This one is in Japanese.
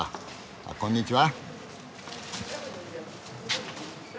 あこんにちは。